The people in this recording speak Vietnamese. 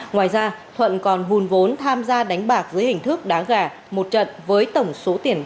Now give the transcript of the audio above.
ngoài ra thuận còn hùn vốn tham gia đánh bạc dưới hình thức đá gà một trận với tổng số tiền đá là một trăm linh triệu đồng